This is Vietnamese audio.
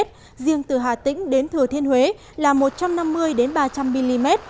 riêng từ hà tĩnh đến thừa thiên huế là một trăm năm mươi ba trăm linh mm